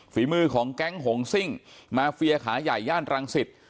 ฝีมือของแก๊งโหงซิ่งมาเฟียขาย่ายย่านรังศิษฐ์